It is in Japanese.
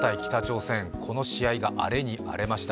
この試合が荒れに荒れました。